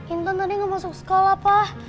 intan tadi gak masuk sekolah pa